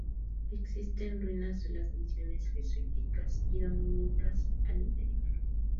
Existen ruinas de las misiones jesuíticas y dominicas al interior.